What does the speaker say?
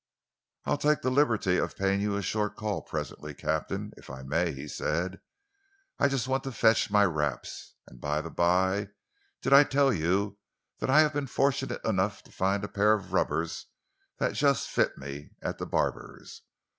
"I'll take the liberty of paying you a short call presently, Captain, if I may," he said. "I just want to fetch my wraps. And by the by, did I tell you that I have been fortunate enough to find a pair of rubbers that just fit me, at the barber's?